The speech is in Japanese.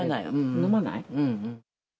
飲まない？